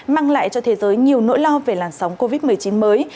mang lại cho thế giới nhiều nỗi lo về làn sóng covid một mươi chín mới